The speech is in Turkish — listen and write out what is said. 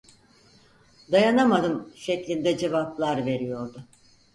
"Dayanamadım!" şeklinde cevaplar veriyordu.